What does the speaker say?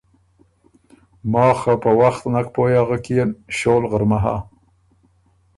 ماخ خه په وخت نک پویٛ اغک يېن ـــ ݭول غرمۀ هۀ۔